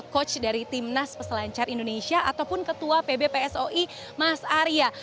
coach dari tim nas peselancar indonesia ataupun ketua pbpsoi mas arya